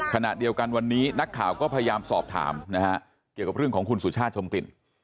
ขณะเดียวกันวันนี้นักข่าวก็พยายามสอบถามนะฮะเกี่ยวกับเรื่องของคุณสุชาติชมกลิ่น